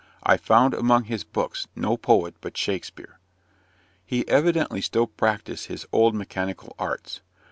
I found among his books no poet but Shakspeare. He evidently still practised his old mechanical arts.